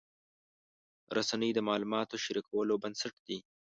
رسنۍ د معلوماتو شریکولو بنسټ دي.